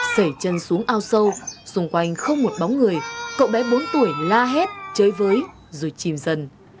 xảy chân xuống ao sâu xung quanh không một bóng người cậu bé bốn tuổi la hét chơi với rồi chìm dần